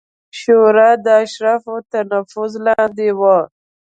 شورا د اشرافو تر نفوذ لاندې وه